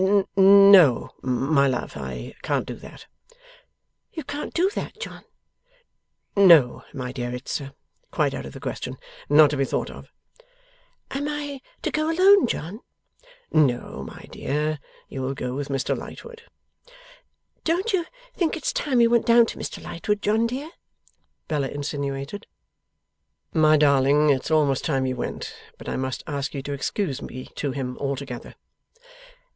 'N no, my love; I can't do that.' 'You can't do that, John?' 'No, my dear, it's quite out of the question. Not to be thought of.' 'Am I to go alone, John?' 'No, my dear, you will go with Mr Lightwood.' 'Don't you think it's time we went down to Mr Lightwood, John dear?' Bella insinuated. 'My darling, it's almost time you went, but I must ask you to excuse me to him altogether.